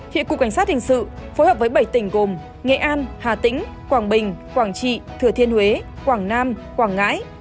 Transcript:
hiện cục cảnh sát hình sự phối hợp với bảy tỉnh gồm nghệ an hà tĩnh quảng bình quảng trị thừa thiên huế quảng nam quảng ngãi